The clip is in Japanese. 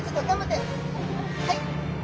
はい！